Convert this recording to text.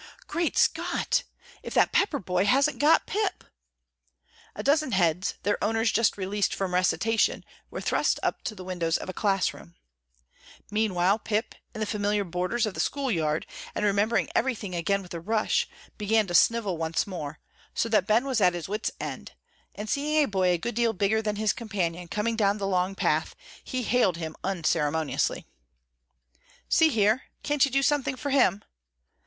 "Great Scott! If that Pepper boy hasn't got Pip!" A dozen heads, their owners just released from recitation, were thrust up to the windows of a class room. Meantime Pip, in the familiar borders of the school yard, and remembering everything again with a rush, began to snivel once more, so that Ben was at his wits' end, and seeing a boy a good deal bigger than his companion coming down the long path, he hailed him unceremoniously. "See here, can't you do something for him?"